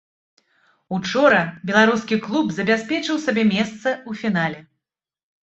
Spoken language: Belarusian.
Учора беларускі клуб забяспечыў сабе месца ў фінале.